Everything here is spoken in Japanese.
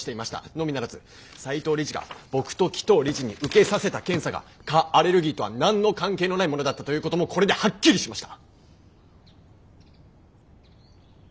のみならず斎藤理事が僕と鬼頭理事に受けさせた検査が蚊アレルギーとは何の関係のないものだったということもこれではっきりしました。